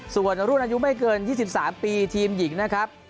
ส่วนรุ่นอายุไม่เกิน๒๓ปีทีมหญิงนะครับ